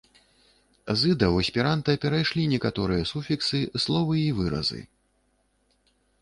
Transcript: З іда ў эсперанта перайшлі некаторыя суфіксы, словы і выразы.